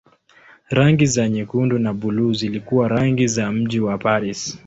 Rangi za nyekundu na buluu zilikuwa rangi za mji wa Paris.